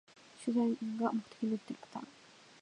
手段が目的になってるパターン